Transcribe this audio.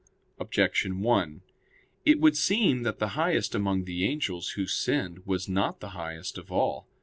Objection 1: It would seem that the highest among the angels who sinned was not the highest of all.